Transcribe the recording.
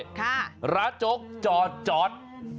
ค่ะร้านโจ๊กจอดจอด